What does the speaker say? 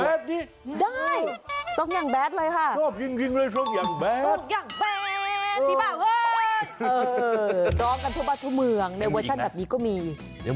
เรียกว่าว่าเวลาที่สุดท้ายก็จะเป็นเวลาที่สุดท้าย